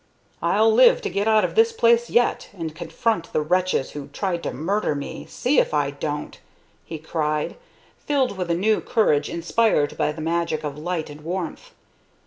"I'll live to get out of this place yet and confront the wretches who tried to murder me see if I don't!" he cried, filled with a new courage inspired by the magic of light and warmth.